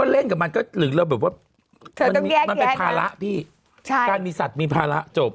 เลยว่ามันเป็นภาระที่การมีสัตว์มีภาระจบ